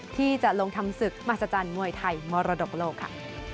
ที่จะลงทำศึกมหัศจรรย์มวยไทยมรดกโลกค่ะ